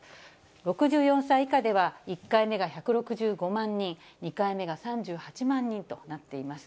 ６４歳以下では、１回目が１６５万人、２回目が３８万人となっています。